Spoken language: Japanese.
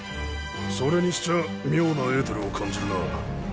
それにしちゃ妙なエーテルを感じるなぁ。